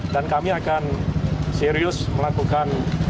dan kami akan serius melakukan